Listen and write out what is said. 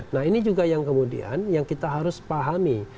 nah ini juga yang kemudian yang kita harus pahami